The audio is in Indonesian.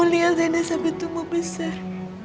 aku mau lihat reina sampai tumbuh besar